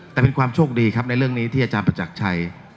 แต่เป็นความโชคดีครับในเรื่องนี้ที่อาจารย์ประจักรชัย